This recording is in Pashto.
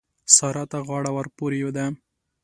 سارا ته غاړه ورپورې ده.